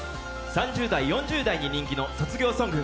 ３０代４０代に人気の卒業ソング。